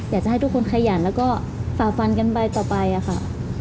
อยากจะให้ทุกคนขยันแล้วก็ฝ่าฟันกันไปต่อไปค่ะ